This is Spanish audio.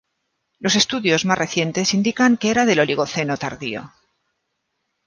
Los estudios más recientes indican que era del Oligoceno tardío.